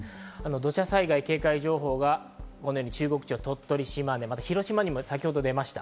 土砂災害警戒情報が鳥取、島根、広島にも先ほどでました。